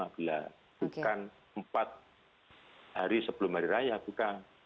bukan empat hari sebelum hari raya bukan